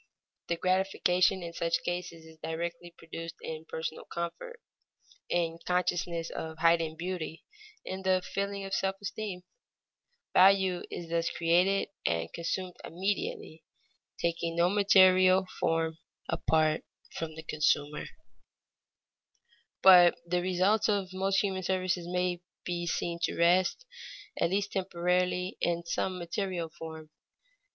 The gratification in such cases is directly produced in personal comfort, in the consciousness of heightened beauty, in the feeling of self esteem. Value is thus created and consumed immediately, taking no material form apart from the consumer. [Sidenote: Labor embodied for a time in material form] But the results of most human services may be seen to rest, at least temporarily, in some material form.